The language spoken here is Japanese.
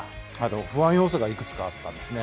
不安要素がいくつかあったんですね。